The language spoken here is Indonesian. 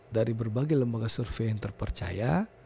dari berbagai lembaga survei yang terpercaya